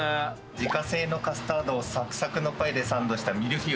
自家製のカスタードをサクサクのパイでサンドしたミルフィーユでございます。